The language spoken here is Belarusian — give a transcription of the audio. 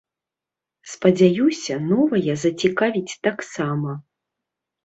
Спадзяюся, новая зацікавіць таксама.